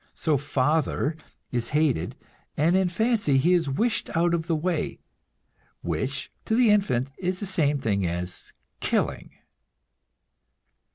So "father" is hated, and in fancy he is wished out of the way which to the infant is the same thing as killing.